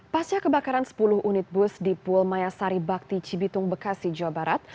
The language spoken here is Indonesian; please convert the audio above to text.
pasca kebakaran sepuluh unit bus di pulmayasari bakti cibitung bekasi jawa barat